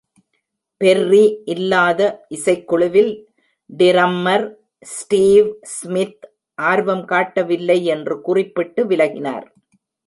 Berry இல்லாத இசைக்குழுவில் drummer Steve Smith ஆர்வம் காட்டவில்லை என்று குறிப்பிட்டு விலகினார்.